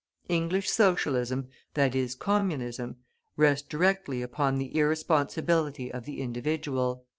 English Socialism, i.e. Communism, rests directly upon the irresponsibility of the individual.